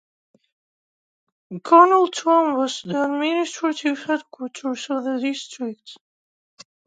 Karnal town is the administrative headquarters of the district.